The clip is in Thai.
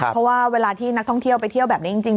เพราะว่าเวลาที่นักท่องเที่ยวไปเที่ยวแบบนี้จริง